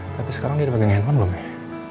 tapi sekarang dia udah pake handphone belum ya